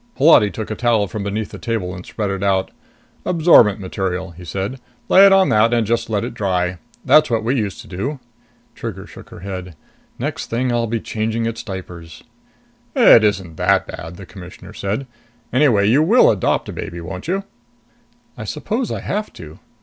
Holati took a towel from beneath the table and spread it out. "Absorbent material," he said. "Lay it on that and just let it dry. That's what we used to do." Trigger shook her head. "Next thing, I'll be changing its diapers!" "It isn't that bad," the Commissioner said. "Anyway, you will adopt baby, won't you?" "I suppose I have to."